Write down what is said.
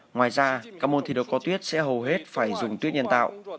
ngoài ra các môn thi đấu có tuyết sẽ hầu hết phải dùng tuyết nhân tạo